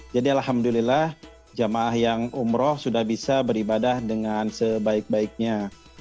jadi alhamdulillah jamaah yang umroh sudah bisa beribadah dengan sebaik baiknya